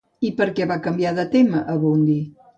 I per què va canviar de tema Abundi?